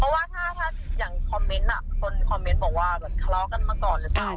เพราะว่าถ้าอย่างคอมเมนต์คนคอมเมนต์บอกว่าแบบทะเลาะกันมาก่อนหรือเปล่า